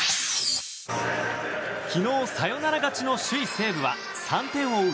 昨日、サヨナラ勝ちの首位、西武は３点を追う